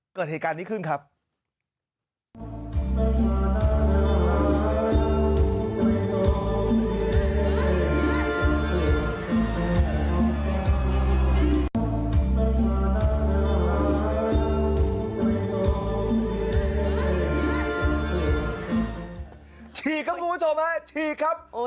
ฉีกครับคุณผู้ชมครับฉีกครับ